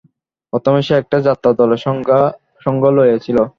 প্রথম সে একটা যাত্রার দলের সঙ্গ লইয়াছিল।